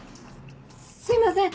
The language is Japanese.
すいません！